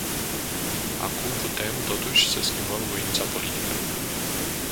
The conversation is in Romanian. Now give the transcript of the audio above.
Acum putem, totuși, să schimbăm voința politică.